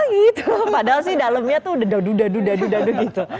ah gitu padahal sih dalemnya tuh udah dadu dadu gitu